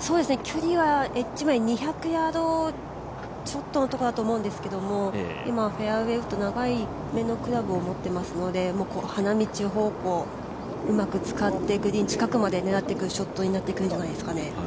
距離はエッジまで２００ヤードちょっとのところだと思うんですけど、今フェアウエー長めのクラブを持ってますので花道方向、うまく使ってグリーン近くまで狙っていくショットになるんじゃないでしょうかね。